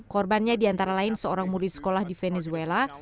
korbannya di antara lain seorang murid sekolah di venezuela